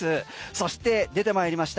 そして出てまいりました